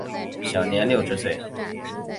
享年六十岁。